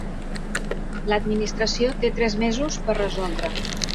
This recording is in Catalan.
L'Administració té tres mesos per resoldre.